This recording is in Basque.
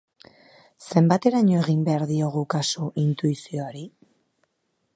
Zenbateraino egin behar diogu kasu intuizioari?